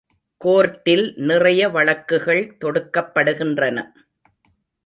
கோர்ட்டில் நிறைய வழக்குகள் தொடுக்கப் படுகின்றன.